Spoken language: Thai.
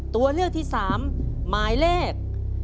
ตัวเลือกที่๓หมายเลข